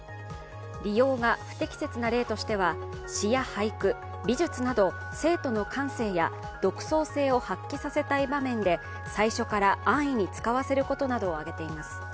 利用が不適切な例としては詩や俳句、美術など生徒の感性や独創性を発揮したい場面で、最初から安易に使わせることなどをあげています。